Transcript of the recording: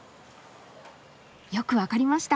よく分かりました。